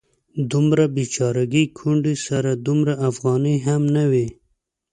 دې بیچارګۍ کونډې سره دومره افغانۍ هم نه وې.